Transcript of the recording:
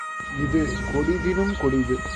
இது கொடிதினும் கொடிது.